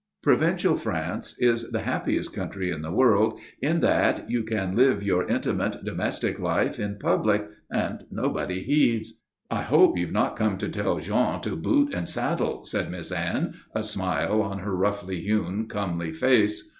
Provincial France is the happiest country in the world in that you can live your intimate, domestic life in public, and nobody heeds. "I hope you've not come to tell Jean to boot and saddle," said Miss Anne, a smile on her roughly hewn, comely face.